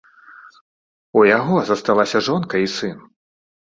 У яго засталася жонка і сын.